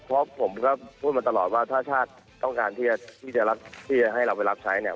เพราะผมก็พูดมาตลอดว่าถ้าชาติต้องการที่จะให้เราไปรับใช้เนี่ย